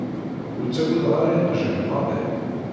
Ur ttagadeɣ ara iqjan maḍi.